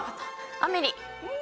『アメリ』。